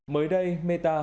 mới đây meta